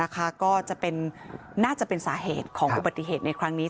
ก็น่าจะเป็นสาเหตุของอุบัติเหตุในครั้งนี้